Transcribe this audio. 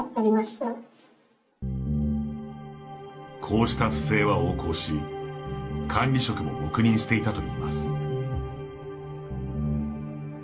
こうした不正は横行し管理職も黙認していたといいます。